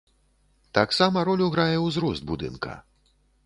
Таксама ролю грае ўзрост будынка.